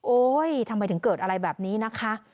ทำไมถึงเกิดอะไรแบบนี้นะคะ